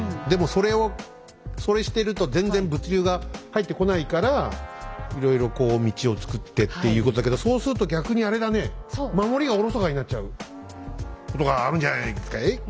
でもそれをそれしてると全然物流が入ってこないからいろいろこう道をつくってっていうことだけどそうすると逆にあれだね守りがおろそかになっちゃうことがあるんじゃないですかい？